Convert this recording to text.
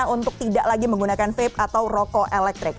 untuk tidak lagi menggunakan vape atau rokok elektrik